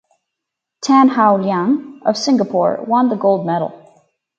Tan Howe Liang of Singapore won the gold medal.